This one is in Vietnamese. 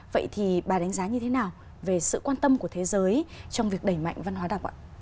vậy thì bà đánh giá như thế nào về sự quan tâm của thế giới trong việc đẩy mạnh văn hóa đọc ạ